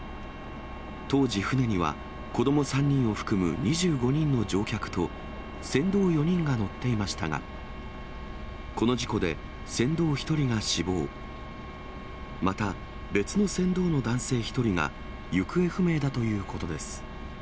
当時、船には子ども３人を含む２５人の乗客と、船頭４人が乗っていましたが、この事故で、船頭１人が死亡、また別の船頭の男性１人が行方不明だということです。